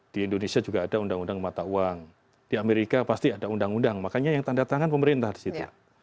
di indonesia juga ada undang undang mata uang di amerika pasti ada undang undang makanya yang tanda tangan pemerintah di situ